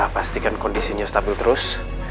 pastikan kondisinya stabil terus